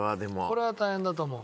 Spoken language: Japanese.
これは大変だと思う。